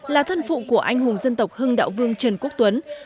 là thân phụ của anh hùng dân tộc hưng đạo vương trần quốc tuấn